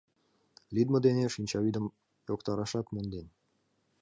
Лӱдмӧ дене шинчавӱдым йоктарашат монден.